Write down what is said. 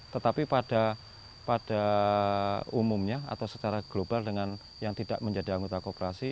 tetapi pada umumnya atau secara global dengan yang tidak menjadi anggota kooperasi